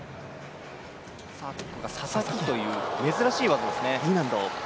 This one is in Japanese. ササキという珍しい技ですね。